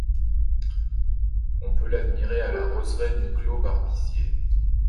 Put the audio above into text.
On peut l'admirer à la roseraie du clos Barbisier.